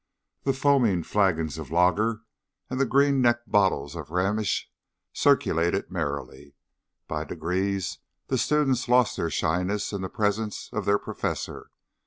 The foaming flagons of lager and the green necked bottles of Rhenish circulated merrily. By degrees the students lost their shyness in the presence of their Professor.